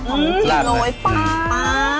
อื้มหน่วยปลา